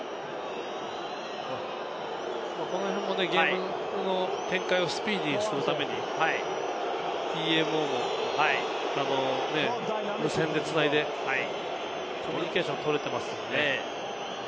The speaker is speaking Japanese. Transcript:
この辺もゲームの展開をスピーディーにするためにＴＭＯも繋いでコミュニケーションを取れていますよね。